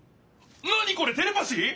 何これテレパシー！？